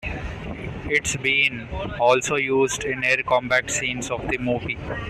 It's been also used in Air combat scenes of the movie.